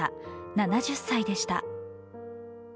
７０歳でした。